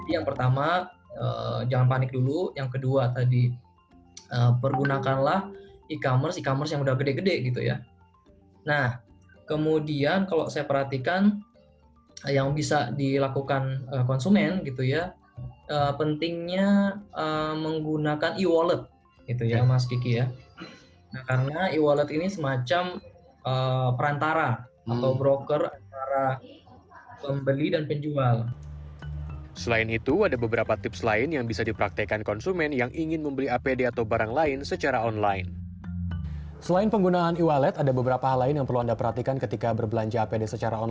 yang pertama jangan panik dulu yang kedua pergunakan e commerce yang sudah besar